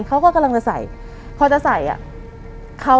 เขาก็กำลังจะใส่พอจะใส่อ่ะ